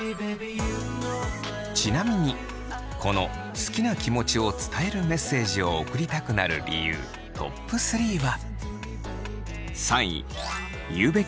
ちなみにこの好きな気持ちを伝えるメッセージを送りたくなる理由トップ３は。